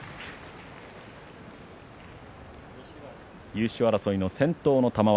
優勝争いの先頭の玉鷲。